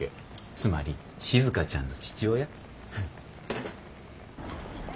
つまりしずかちゃんの父親。